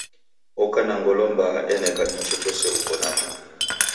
Oko na ngolo mbaa eneka ichochose uko nacho.